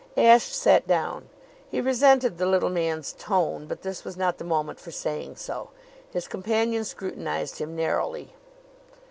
Ashe sat down. He resented the little man's tone, but this was not the moment for saying so. His companion scrutinized him narrowly.